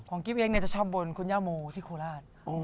ของกิ๊บเองเนี่ยจะชอบบนคุณย่าโมที่โคราช